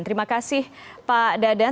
terima kasih pak dadan